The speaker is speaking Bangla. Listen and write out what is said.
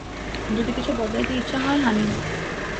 যদি কিছু বদলাইতে ইচ্ছা হয়, হানি নাই।